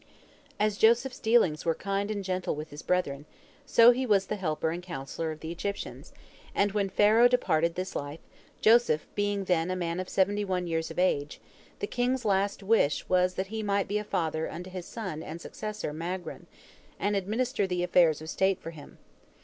" As Joseph's dealings were kind and gentle with his brethren, so he was the helper and counsellor of the Egyptians, and when Pharaoh departed this life, Joseph being then a man of seventy one years of age, the king's last wish was that he might be a father unto his son and successor Magron, and administer the affairs of state for him.